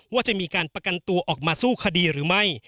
ว่าจะมีการประกันตัวออกมาสู้คดีหรือไม่